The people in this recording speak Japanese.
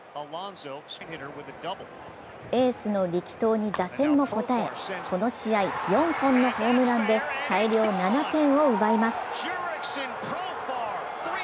エースの力投に打線が応えこの試合４本のホームランで大量７点を奪います。